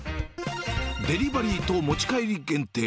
デリバリーと持ち帰り限定。